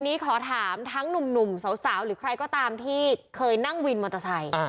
วันนี้ขอถามทั้งหนุ่มสาวหรือใครก็ตามที่เคยนั่งวินมอเตอร์ไซค์